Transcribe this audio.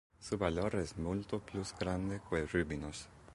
Su valor es multo plus grande que rubinos.